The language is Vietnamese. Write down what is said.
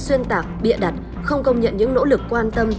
những bài viết xuyên tạc bịa đặt không công nhận những nỗ lực quan tâm